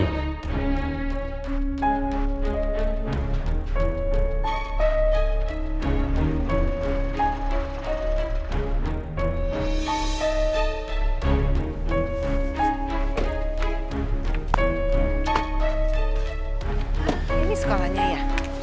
ini sekolahnya ya